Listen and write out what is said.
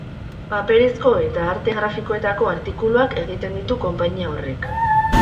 Paperezko eta arte grafikoetako artikuluak egiten ditu konpainia horrek.